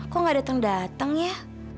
kok gak dateng dateng ya